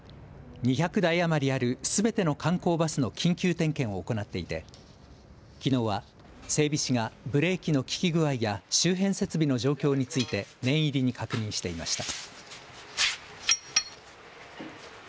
２００台余りあるすべての観光バスの緊急点検を行っていてきのうは整備士がブレーキの利き具合や周辺設備の状況について念入りに確認していました。